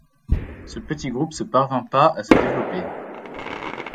Ce petit groupe se parvint pas à se développer.